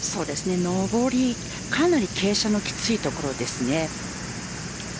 上り、かなり傾斜のきつい所ですね。